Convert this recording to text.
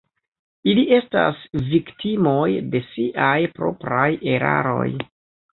Ili estas viktimoj de siaj propraj eraroj.